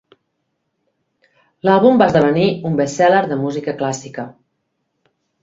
L'àlbum va esdevenir un best-seller de música clàssica.